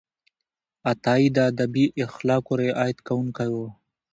عطایي د ادبي اخلاقو رعایت کوونکی و.